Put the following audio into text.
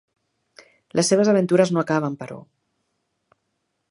Les seves aventures no acaben, però.